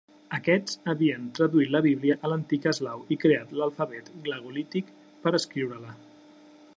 Aquests havien traduït la Bíblia a l'antic eslau i creat l'alfabet glagolític per a escriure-la.